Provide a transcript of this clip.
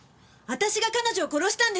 私が彼女を殺したんです。